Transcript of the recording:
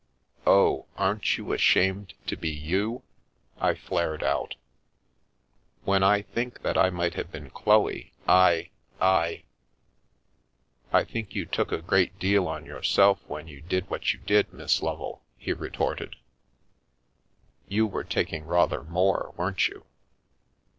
" Oh, aren't you ashamed to be you ?" I flared out. " When I think that I might have been Chloe, I— I— "" I think you took a great deal on yourself when you did what you did, Miss Lovel," he retorted. "You were taking rather more, weren't you?"